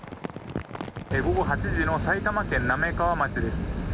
午後８時の埼玉県滑川町です。